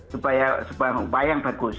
sebuah upaya yang bagus